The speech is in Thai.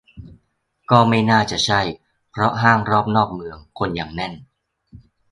ก็ไม่น่าจะใช่เพราะห้างรอบนอกเมืองคนยังแน่น